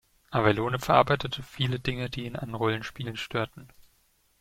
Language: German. Avellone verarbeitete viele Dinge, die ihn an Rollenspielen störten.